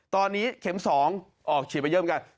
ตอนนี้เข็ม๒ออกฉีดไปเยอะเหมือนกัน